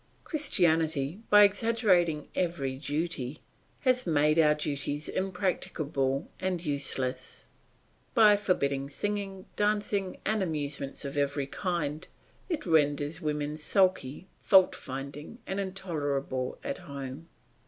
Christianity, by exaggerating every duty, has made our duties impracticable and useless; by forbidding singing, dancing, and amusements of every kind, it renders women sulky, fault finding, and intolerable at home.